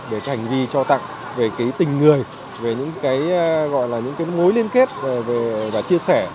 về hành vi cho tặng về tình người về những mối liên kết và chia sẻ